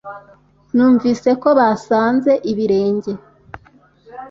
Numvise ko basanze ibirenge